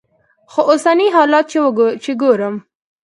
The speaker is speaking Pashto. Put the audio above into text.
خو اوسني حالات چې ګورم.